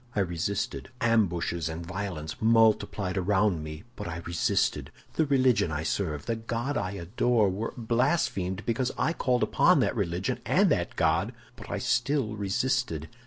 I resisted. Ambushes and violences multiplied around me, but I resisted. The religion I serve, the God I adore, were blasphemed because I called upon that religion and that God, but still I resisted.